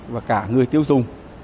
và cả người tiêu dùng